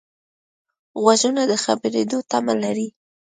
غوږونه د خبرېدو تمه لري